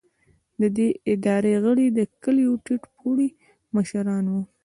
د دې ادارې غړي د کلیو ټیټ پوړي مشران وو.